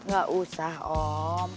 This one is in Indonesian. gak usah om